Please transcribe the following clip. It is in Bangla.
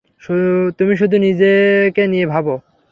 তুমি শুধু নিজেকে নিয়ে ভাবো।